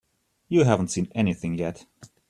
You haven't seen anything yet.